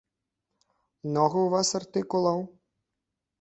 Многа ў вас артыкулаў?